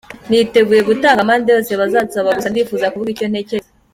Niteguye gutanga amande yose bazansaba gusa ndifuza kuvuga icyo ntekereza.